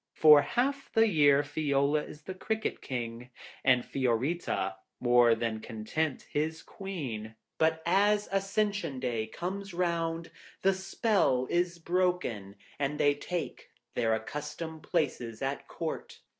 For half the year Fiola is the Cricket King, and Fiorita, more than content, his Queen. But as Ascension day comes round, the spell is broken, and they take their accustomed places at the Court.